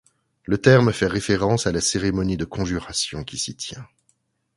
Le terme fait référence à la cérémonie de conjuration qui s'y tient.